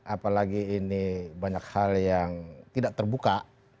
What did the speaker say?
apalagi ini banyak hal yang tidak terbuka